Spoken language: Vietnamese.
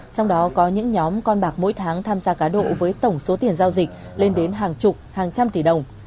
trong đó có những nhóm con bạc mỗi tháng tham gia cá độ với tổng số tiền giao dịch lên đến hàng chục hàng trăm tỷ đồng